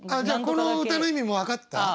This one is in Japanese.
じゃあこの歌の意味も分かった？